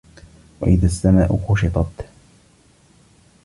وَإِذَا السَّماءُ كُشِطَت